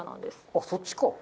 あっそっちか。